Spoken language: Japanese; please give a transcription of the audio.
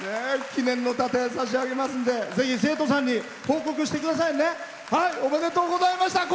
記念の盾差し上げますんでぜひ生徒さんに報告してくださいね。